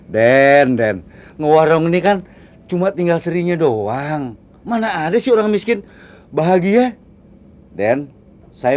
den den nge warung ini kan cuma tinggal serinya doang mana ada sih orang miskin bahagia den saya